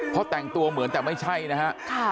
เพราะแต่งตัวเหมือนแต่ไม่ใช่นะฮะ